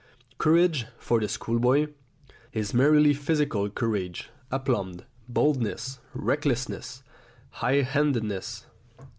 Courage, for the schoolboy, is merely physical courage, aplomb, boldness, recklessness, high handedness.